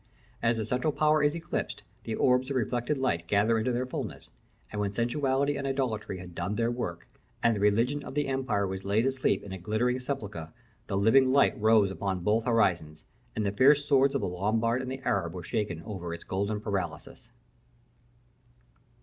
As the central power is eclipsed, the orbs of reflected light gather into their fulness; and when sensuality and idolatry had done their work, and the religion of the empire was laid asleep in a glittering sepulchre, the living light rose upon both horizons, and the fierce swords of the Lombard and Arab were shaken over its golden paralysis.